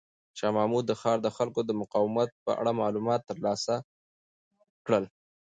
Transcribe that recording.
شاه محمود د ښار د خلکو د مقاومت په اړه معلومات ترلاسه کړل.